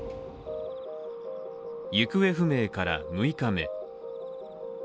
行方不明から６日目。